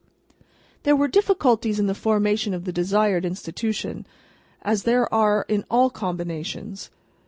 There were difficulties in the formation of the desired institution, as there are in all combinations.